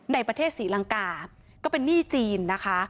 ในประเทศศรีลังกาก็เป็นหนี้จีนนะคะ